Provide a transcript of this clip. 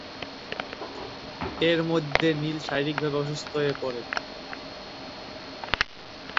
এরমধ্যে নীল শারীরিকভাবে অসুস্থ হয়ে পড়ে।